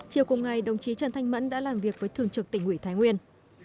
chiều cùng ngày đồng chí trần thanh mẫn đã làm việc với thường trực tỉnh ủy thái nguyên